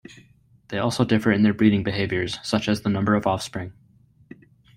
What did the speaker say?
They also differ in their breeding behaviors, such as the number of offspring.